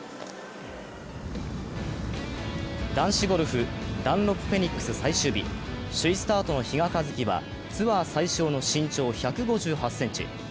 男子ゴルフ、ダンロップフェニックス最終日、首位スタートの比嘉一貴はツアー最小の身長１５８ｃｍ。